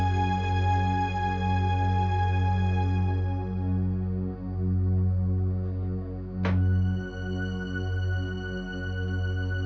tidak ada apa apa